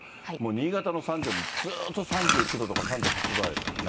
新潟の三条もずーっと３９度とか３８度台ですもんね。